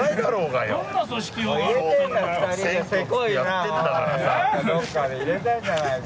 どこかで入れたんじゃないか？